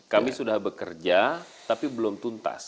kami sudah bekerja tapi belum tuntas